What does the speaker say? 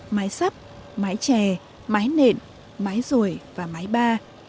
mái sắp mái chè mái nện mái rồi và mái ba